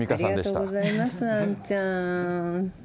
ありがとうございます、アンちゃん。